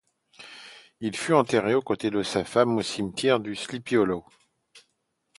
Il fut enterré à côté de sa femme au cimetière de Sleepy Hollow.